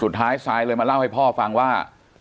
สุดท้ายซายเลยมาเล่าให้พ่อฟังว่า